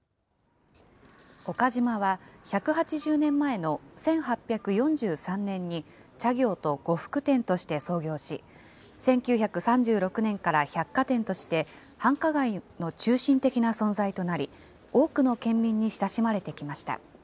岡島は１８０年前の１８４３年に茶業と呉服店として創業し、１９３６年から百貨店として繁華街の中心的な存在となり、多くの県民に親しまれてきました。